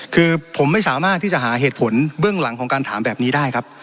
คือผมไม่สามารถที่จะหาเหตุผลเบื้องหลังของการถามแบบนี้ได้ครับ